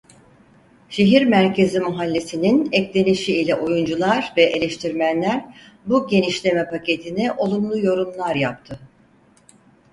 Şehir merkezi mahallesinin eklenişi ile oyuncular ve eleştirmenler bu genişleme paketine olumlu yorumlar yaptı.